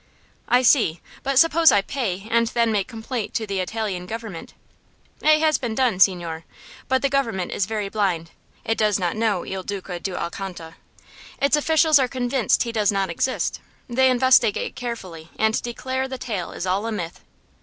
"I see. But suppose I pay, and then make complaint to the Italian government?" "It has been done, signore. But the government is very blind. It does not know Il Duca d' Alcanta. Its officials are convinced he does not exist. They investigate carefully, and declare the tale is all a myth."